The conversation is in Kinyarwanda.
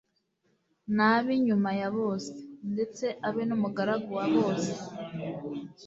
nabe inyuma ya bose, ndetse abe n'umugaragu wa bose. »